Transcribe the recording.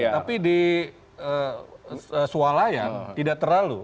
tapi di sualayan tidak terlalu